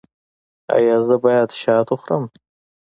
ایا زه باید شات وخورم؟